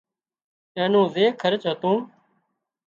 اين نو زي خرچ هتو